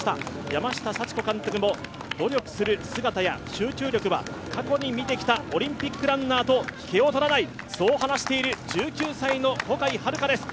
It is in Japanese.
山下佐知子監督も、努力する姿や集中力は過去に見てきたオリンピックランナーと引けを取らない、そう話している１９歳の小海遥です。